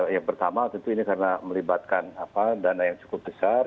yang pertama tentu ini karena melibatkan dana yang cukup besar